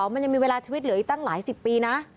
มันยังมีเวลาชีวิตเหลืออีกตั้งหลายสิบปีนะ